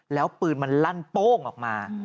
แล้วปืนมันลั่นโป้งออกมา